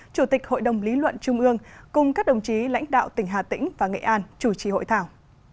chủ tịch hội đồng lý luận trung ương cùng các đồng chí lãnh đạo tỉnh hà tĩnh và nghệ an chủ trì hội thảo